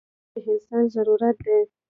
• دوستي د انسان ضرورت دی.